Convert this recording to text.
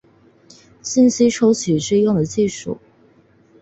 信息抽取之用的技术。